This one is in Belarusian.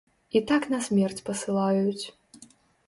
І так на смерць пасылаюць.